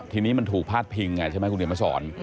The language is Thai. ทีนี้มันถูกพาดพิงไงคุณเหรียญมาสอน